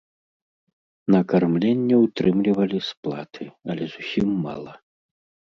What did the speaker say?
На кармленне ўтрымлівалі з платы, але зусім мала.